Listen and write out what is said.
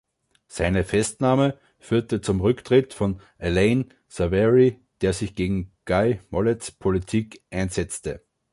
Seine Festnahme führte zum Rücktritt von Alain Savary, der sich gegen Guy Mollets Politik einsetzte.